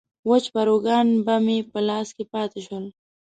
وچ پاروګان به مې په لاسو کې پاتې شول.